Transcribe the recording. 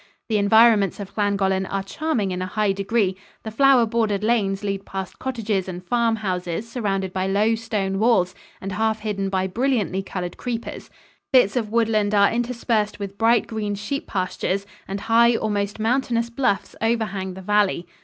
The environments of Llangollen are charming in a high degree. The flower bordered lanes lead past cottages and farm houses surrounded by low stone walls and half hidden by brilliantly colored creepers. Bits of woodland are interspersed with bright green sheep pastures and high, almost mountainous, bluffs overhang the valley.